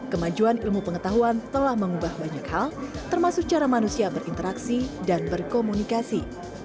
kemajuan ilmu pengetahuan telah mengubah banyak hal termasuk cara manusia berinteraksi dan berkomunikasi